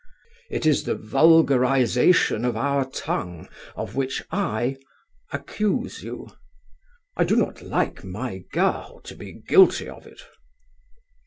It is the vulgarization of our tongue of which I accuse you. I do not like my girl to be guilty of it."